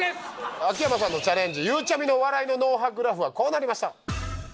秋山さんのチャレンジゆうちゃみの笑いの脳波グラフはこうなりました。